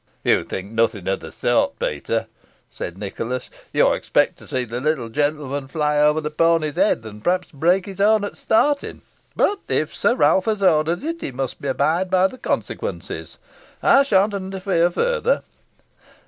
"You think nothing of the sort, Peter," said Nicholas. "You expect to see the little gentleman fly over the pony's head, and perhaps break his own at starting. But if Sir Ralph has ordered it, he must abide by the consequences. I sha'n't interfere further.